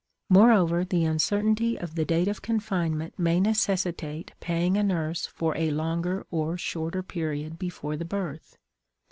Moreover, the uncertainty of the date of confinement may necessitate paying a nurse for a longer or shorter period before the birth.